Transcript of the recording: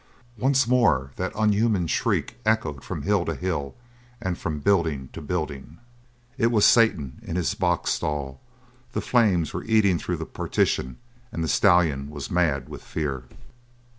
Once more that unhuman shriek echoed from hill to hill and from building to building. It was Satan in his box stall. The flames were eating through the partition, and the stallion was mad with fear.